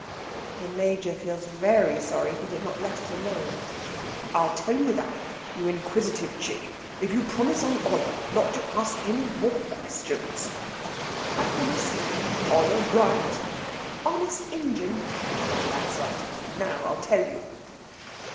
The Major feels very sorry he didn't let it alone. "I'll tell you that, you inquisitive chick, if you'll promise on honour not to ask any more questions." "I promise." "Honour bright?" "Honest Injun!" "That's right. Now I'll tell you.